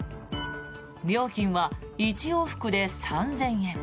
料金は１往復で３０００円。